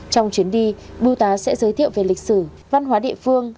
trong chuyến đi bưu tá sẽ giới thiệu về lịch sử văn hóa địa phương